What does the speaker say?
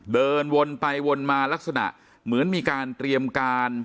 เดินวนไปวนมาลักษณะเหมือนมีการเตรียมการ